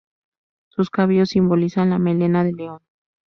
Sus cabellos simbolizan la melena del león.